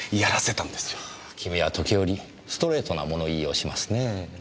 君は時折ストレートな物言いをしますねぇ。